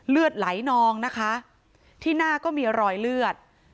เลือดไหลนองนะคะที่หน้าก็มีรอยเลือด